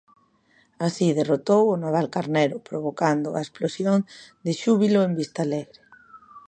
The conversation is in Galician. Así derrotou o Navalcarnero, provocando a explosión de xúbilo en Vista Alegre.